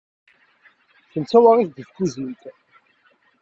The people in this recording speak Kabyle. Kemm d tawaɣit deg tkuzint.